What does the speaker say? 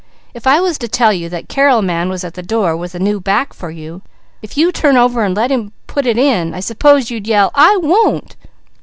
If I was to tell you that Carrel man was at the door with a new back for you, if you turn over and let him put it in, I s'pose you'd yell: 'I won't!'"